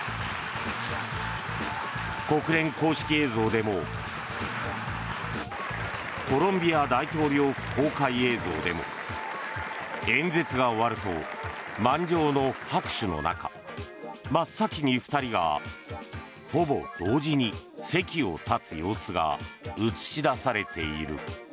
国連公式映像でもコロンビア大統領府公開映像でも演説が終わると満場の拍手の中真っ先に２人がほぼ同時に席を立つ様子が映し出されている。